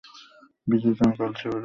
বীজের রং কালচে বাদামি।